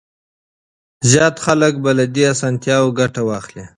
زيات خلک به له دې اسانتياوو ګټه واخلي.